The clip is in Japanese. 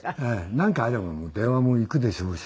なんかあれば電話もいくでしょうし。